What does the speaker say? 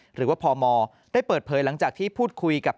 หรือว่าพมได้เปิดเผยหลังจากที่พูดคุยกับ